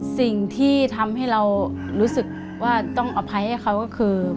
สิ่งที่ทำให้เรารู้สึกว่าต้องอภัยให้เขาก็คือ